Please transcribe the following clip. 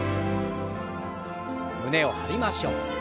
胸を張りましょう。